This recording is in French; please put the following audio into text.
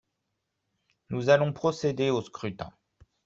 Nous allons procéder au scrutin.